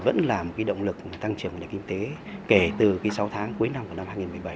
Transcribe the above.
vẫn là một động lực tăng trưởng của nền kinh tế kể từ sáu tháng cuối năm của năm hai nghìn một mươi bảy